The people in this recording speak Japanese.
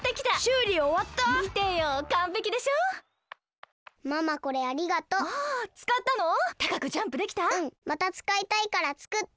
うんまたつかいたいからつくって！